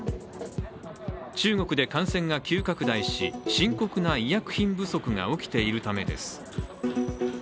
中国で感染が急拡大し、深刻な医薬品不足が起きているためです。